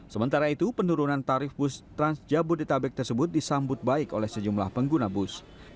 sementara itu penurunan tarif bus trans jabodetabek tersebut disambut baik oleh sejumlah pengguna bus